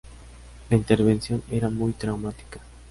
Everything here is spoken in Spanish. La intervención era muy traumática.